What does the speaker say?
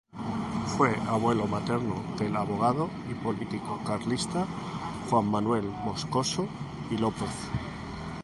Fue abuelo materno del abogado y político carlista Juan Manuel Moscoso y López.